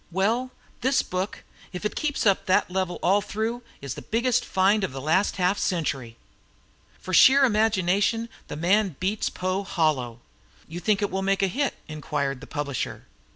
Well, this book, if it keeps up that level all through, is the biggest find of the last half century. For sheer imagination the man beats Poe hollow!" "You think it will make a hit?" inquired the publisher.